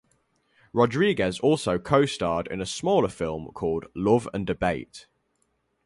Rodriguez also co-starred in a smaller film called "Love and Debate".